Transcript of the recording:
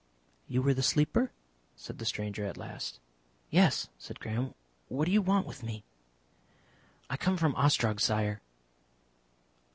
"You were the Sleeper?" said the stranger at last. "Yes," said Graham. "What do you want with me?" "I come from Ostrog, Sire."